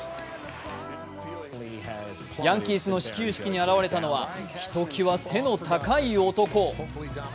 ヤンキースの始球式に現れたのはひときわ背の高い男。